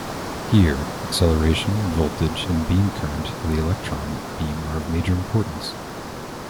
Here, acceleration voltage and beam current of the electron beam are of major importance.